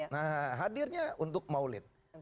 nah hadirnya untuk maulid